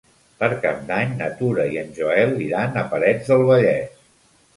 Per Cap d'Any na Tura i en Joel iran a Parets del Vallès.